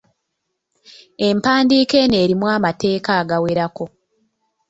Empandiika eno erimu amateeka agawerako